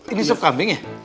ini sup kambing ya